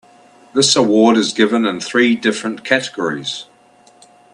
This award is given in three different categories.